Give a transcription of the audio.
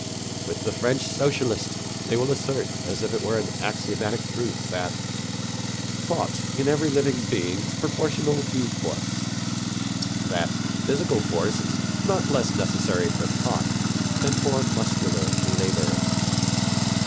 " With the French socialist they will assert, as if it were an axiomatic truth, that "thought in every living being is proportional to force" that "physical force is not less necessary for thought than for muscular labor."